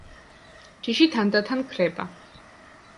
ჯიში თანდათან ქრება.